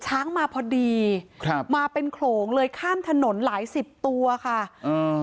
มาพอดีครับมาเป็นโขลงเลยข้ามถนนหลายสิบตัวค่ะอ่า